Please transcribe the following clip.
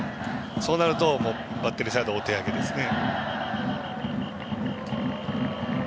そうなると、バッテリーサイドはお手上げですね。